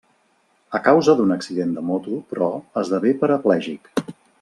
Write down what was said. A causa d'un accident de moto, però, esdevé paraplègic.